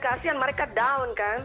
kasihan mereka down kan